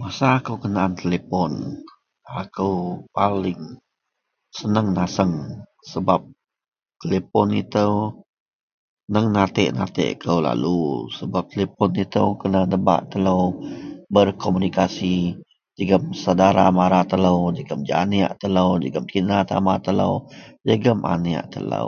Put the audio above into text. Masa aku kena telepob aku paling senang naseng. Telepon ito meng natik kou lalu. Telepon ito kena nebak telo berkomunikasi jegam saudara mara telo jegam janiek telo tina tama telo jegam aniek telo.